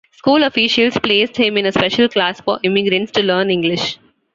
School officials placed him in a special class for immigrants to learn English.